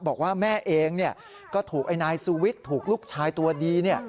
บอกว่าแม่เองก็ถูกไอ้นายสูวิทย์ถูกลูกชายตัวดี